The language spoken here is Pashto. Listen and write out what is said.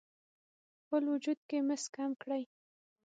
خپل وجود کې مس کم کړئ: